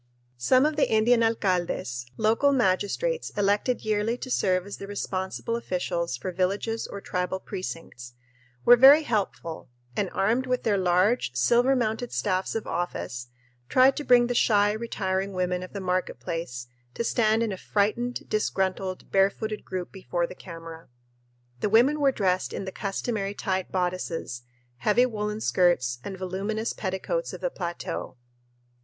Some of the Indian alcaldes, local magistrates elected yearly to serve as the responsible officials for villages or tribal precincts, were very helpful and, armed with their large, silver mounted staffs of office, tried to bring the shy, retiring women of the market place to stand in a frightened, disgruntled, barefooted group before the camera. The women were dressed in the customary tight bodices, heavy woolen skirts, and voluminous petticoats of the plateau.